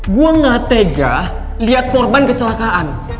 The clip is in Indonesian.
gue ngatega liat korban kecelakaan